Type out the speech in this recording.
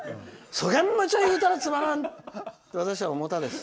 そげんむちゃ言うたらつまらんと私は思ったです。